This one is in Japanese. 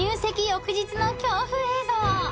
翌日の恐怖映像］